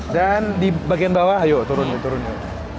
dan di bagian bawah ayo turun yuk turun yuk